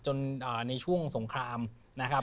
ในช่วงสงครามนะครับ